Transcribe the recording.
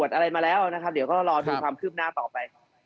อะไรมาแล้วนะครับเดี๋ยวก็รอดูความคืบหน้าต่อไป